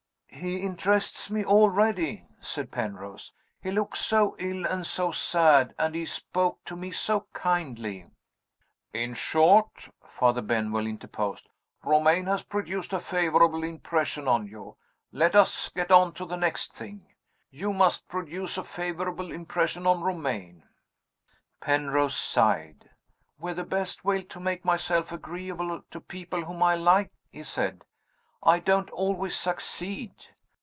"He interests me already," said Penrose. "He looks so ill and so sad, and he spoke to me so kindly " "In short," Father Benwell interposed, "Romayne has produced a favorable impression on you. Let us get on to the next thing. You must produce a favorable impression on Romayne." Penrose sighed. "With the best will to make myself agreeable to people whom I like," he said, "I don't always succeed.